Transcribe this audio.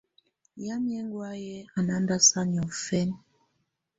Yamɛ̀́á ɛŋgɔ̀áyɛ̀ à na ndàsaa niɔ̀fɛna.